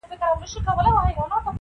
هري خواته چي مو مخ به سو خپل کور وو-